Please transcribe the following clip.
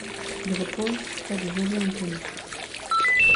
Il repose près de José Antonio.